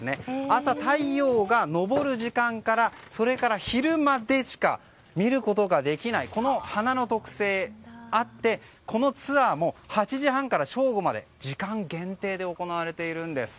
朝、太陽が昇る時間から昼までしか見ることができないこの花の特性があってこのツアーも８時半から正午まで時間限定で行われているんです。